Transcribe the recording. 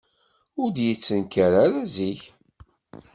Ur d-yettenkar ara zik.